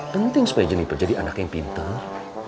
penting supaya jenipan jadi anak yang pinter